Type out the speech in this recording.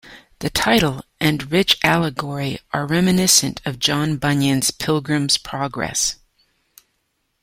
The title and rich allegory are reminiscent of John Bunyan's "Pilgrim's Progress".